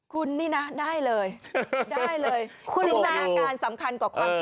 คุณนี่นะได้เลยได้เลยคุณจินตนาการสำคัญกว่าความคิด